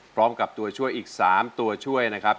พร้อมกับตัวช่วยอีก๓ตัวช่วยนะครับ